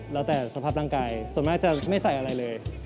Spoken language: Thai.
แล้วแต่สภาพร่างกายส่วนมากจะไม่ใส่อะไรเลย